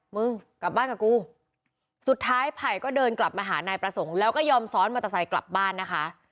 มึงกลับบ้านกับกูสุดท้ายไผ่ก็เดินกลับมาหานายประสงค์แล้วก็ยอมซ้อนมอเตอร์ไซค์กลับบ้านนะคะ